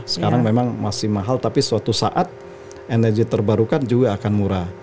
sekarang memang masih mahal tapi suatu saat energi terbarukan juga akan murah